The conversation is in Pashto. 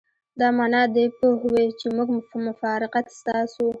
دا معنی دې پوه وي چې موږ مفارقت ستاسو.